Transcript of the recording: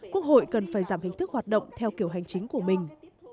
quốc hội cần phải giảm hình thức hoạt động theo kiểu hành chính của mình